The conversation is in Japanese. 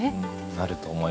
なると思います。